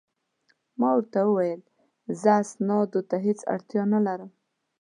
ما ورته وویل: زه اسنادو ته هیڅ اړتیا نه لرم.